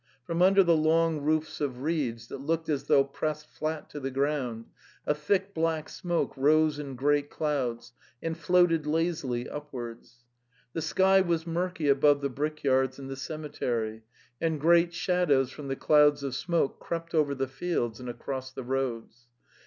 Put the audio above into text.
From under the long roofs of reeds that looked as though pressed flat to the ground, a thick black smoke rose in great clouds and floated lazily upwards. The sky was murky above the brickyards and the cemetery, and great shadows from the clouds of smoke crept over the fields and across the roads.